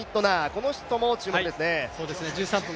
この人も注目ですね。